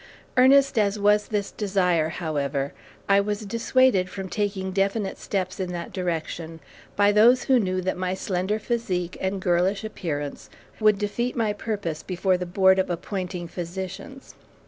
Earnest as was this desire, however, I was dissuaded from taking definite steps in that direction by those who knew that my slender physique and girlish appearance would defeat my purpose before the board of appointing physicians.